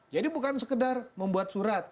jadi bukan sekedar membuat surat